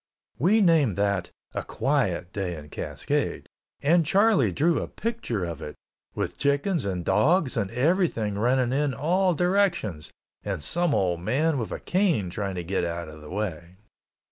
We named that "A quiet day in Cascade," and Charlie drew a picture of it, with chickens and dogs and everything running in all directions and some old man with a cane trying to get out of the way.